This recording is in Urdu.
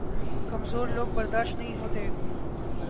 کمزور لوگ برداشت نہیں ہوتے